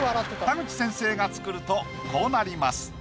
田口先生が作るとこうなります。